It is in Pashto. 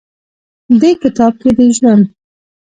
دې کتاب کښې د ژوند